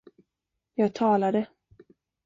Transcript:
Jag talade.